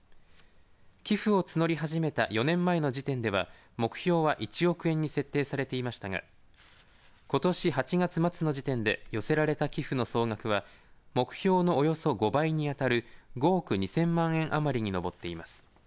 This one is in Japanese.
寄付を募り始めた４年前の時点では目標は１億円に設定されていましたがことし８月末の時点で寄せられた寄付の総額は目標のおよそ５倍に当たる５億２０００万円余りに上っています。